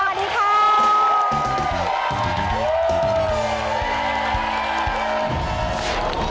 สวัสดีครับ